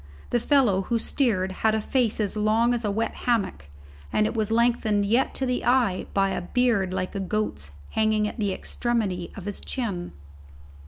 The fellow who steered had a face as long as a wet hammock, and it was lengthened yet to the eye by a beard like a goat's hanging at the extremity of his chin.